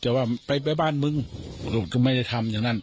แต่ว่าไปไปบ้านมึงลูกก็ไม่ได้ทำอย่างนั้น